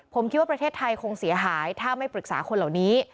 ผมคิดว่าประเทศไทยคงเสียหายถ้าไม่ปรึกษาคนเหล่านี้